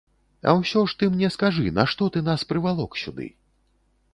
А ўсё ж ты мне скажы, нашто ты нас прывалок сюды?